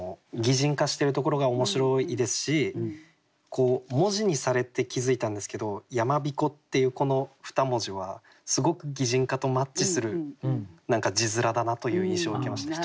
擬人化してるところが面白いですし文字にされて気付いたんですけど「山彦」っていうこの２文字はすごく擬人化とマッチする字面だなという印象を受けました。